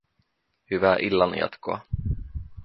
Hyvää illanjatkoa